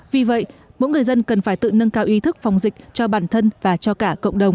vì vậy mỗi người dân cần phải tự nâng cao ý thức phòng dịch cho bản thân và cho cả cộng đồng